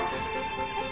えっ？